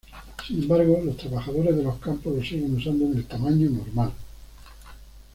Sin embargo, los trabajadores de los campos lo siguen usando en el tamaño normal.